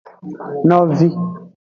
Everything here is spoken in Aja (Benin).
Novi.